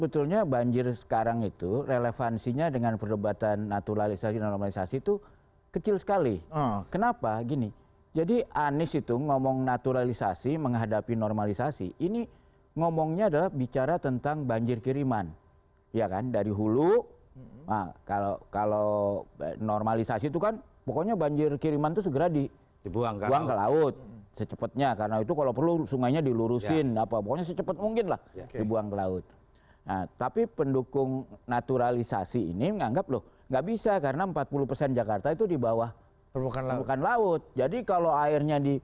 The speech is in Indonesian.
tapi jawabnya menurut saya